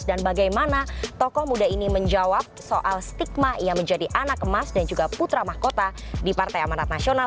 dan bagaimana tokoh muda ini menjawab soal stigma yang menjadi anak emas dan juga putra mahkota di partai amanat nasional